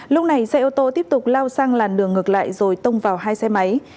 lúc này xe ô tô tiếp tục lao sang làn đường ngược lại rồi tông vào hai xe máy